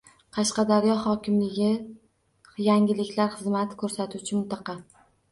Qashqadaryo hokimligi Yangiliklar xizmat ko'rsatuvchi mintaqa